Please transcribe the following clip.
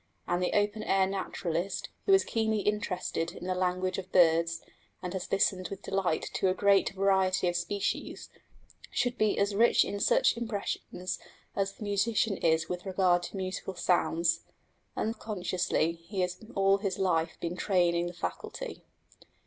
And the open air naturalist, who is keenly interested in the language of birds, and has listened with delight to a great variety of species, should be as rich in such impressions as the musician is with regard to musical sounds. Unconsciously he has all his life been training the faculty.